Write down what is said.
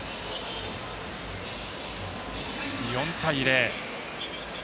４対０。